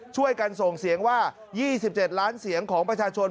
ช่วยกันส่งเสียงว่า๒๗ล้านเสียงของประชาชน